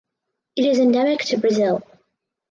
It is endemic to Brazil.